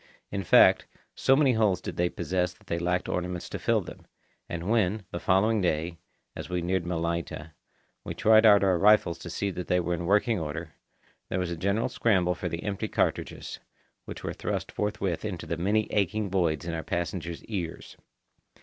In fact, so many holes did they possess that they lacked ornaments to fill them; and when, the following day, as we neared Malaita, we tried out our rifles to see that they were in working order, there was a general scramble for the empty cartridges, which were thrust forthwith into the many aching voids in our passengers' ears.